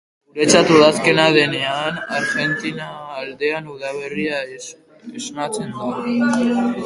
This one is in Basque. Guretzat udazkena denean, Argentina aldean udaberria esnatzen da.